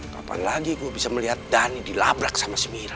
kapan lagi gue bisa lihat danny dilabrak sama sia mira